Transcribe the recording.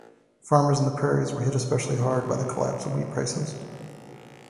Farmers in the Prairies were hit especially hard by the collapse of wheat prices.